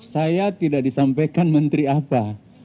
saya tidak disampaikan menteri apa